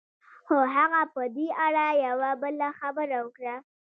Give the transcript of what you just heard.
خو هغه په دې اړه يوه بله خبره وکړه.